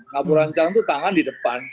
ngapur ancang itu tangan di depan